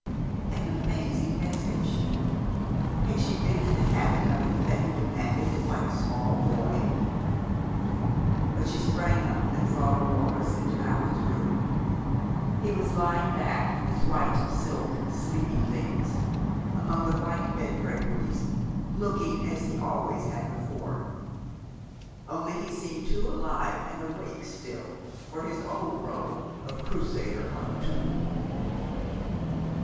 An amazing message! Had she been in the habit of it, that he demanded it like a small boy? But she sprang up and followed Wallis into Allan's room. He was lying back in his white silk sleeping things among the white bed draperies, looking as he always had before. Only, he seemed too alive and awake still for his old rôle of Crusader on a tomb.